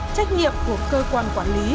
trách nhiệm của cơ quan quản lý